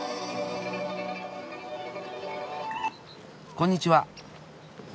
こんにちは。